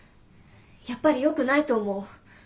やっぱりよくないと思う。